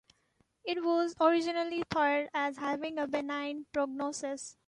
It was originally thought of as having a benign prognosis.